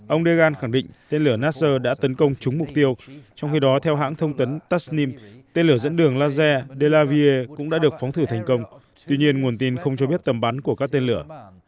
ông degan khẳng định tên lửa nasser đã tấn công chúng mục tiêu trong khi đó theo hãng thông tấn tasnim tên lửa dẫn đường laser de la valle cũng đã được phóng thử thành công tuy nhiên nguồn tin không cho biết tầm bắn của các tên lửa